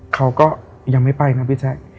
เขายังไม่ไปนะพี่แ๊ะ